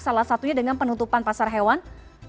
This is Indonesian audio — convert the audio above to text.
salah satunya dengan penutupan pasar hewan